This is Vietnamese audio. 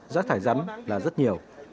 rác thải rắn là rất nhiều